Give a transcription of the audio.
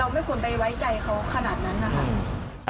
เราไม่ควรไปไว้ใจเขาขนาดนั้น